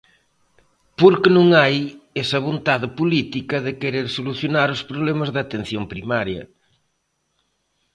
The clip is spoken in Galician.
Porque non hai esa vontade política de querer solucionar os problemas de atención primaria.